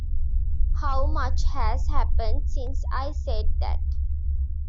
How much has happened since I said that!